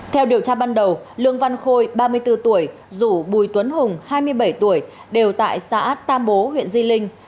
theo điều tra ban đầu lương văn khôi ba mươi bốn tuổi rủ bùi tuấn hùng hai mươi bảy tuổi đều tại xã tam bố huyện di linh